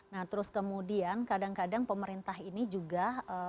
nah terus kemudian kadang kadang pemerintah ini juga